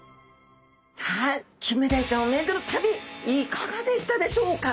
さあキンメダイちゃんを巡る旅いかがでしたでしょうか？